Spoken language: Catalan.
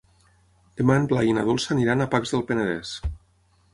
Demà en Blai i na Dolça aniran a Pacs del Penedès.